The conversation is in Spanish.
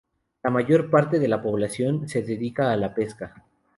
La mayor parte de la población se dedica a la pesca.